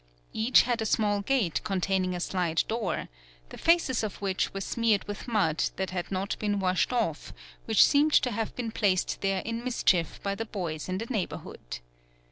Each had a small gate contain ing a slide door, the faces of which were smeared with mud that had not been washed off, which seemed to 93 PAULOWNIA have been placed there in mischief by the boys in the neighborhood.